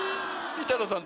板野さん